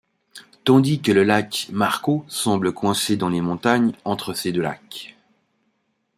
Tandis que le lac Marcaut semble coincé dans les montagnes entre ces deux lacs.